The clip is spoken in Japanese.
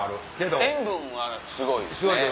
塩分はすごいですね。